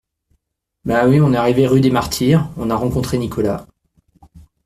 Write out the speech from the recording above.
Ben oui, on est arrivés rue des Martyrs, on a rencontré Nicolas